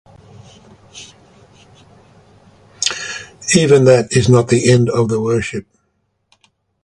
Even that is not the end of the worship.